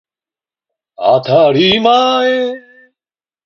あたりまえ